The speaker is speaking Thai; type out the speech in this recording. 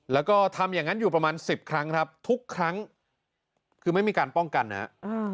แล้วก็ทำอย่างนั้นอยู่ประมาณสิบครั้งครับทุกครั้งคือไม่มีการป้องกันนะครับ